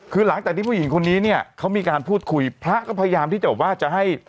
คือหลังจากที่ผู้หญิงคนนี้เนี่ยเขามีการพูดคุยพระก็พยายามที่จะว่าจะให้